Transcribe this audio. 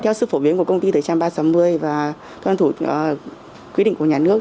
theo sự phổ biến của công ty thời trang b ba nghìn sáu trăm một mươi và tuân thủ quy định của nhà nước